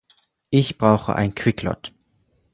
Ich brauche ein Quicklot.